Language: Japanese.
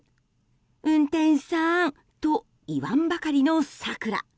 運転手さーん！と言わんばかりのサクラ。